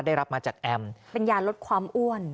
ได้รับมาจากแอมเป็นยาลดความอ้วน